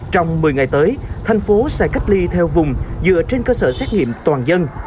trong một mươi ngày tới thành phố sẽ cách ly theo vùng dựa trên cơ sở xét nghiệm toàn dân